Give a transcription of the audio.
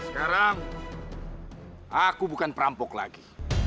sekarang aku bukan perampok lagi